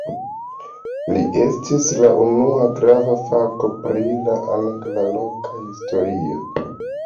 Li estis la unua grava fakulo pri la angla loka historio.